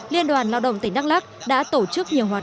liên đoàn lao động tỉnh đắk lắc đã tổ chức nhiều hoạt động